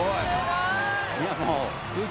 いやもう。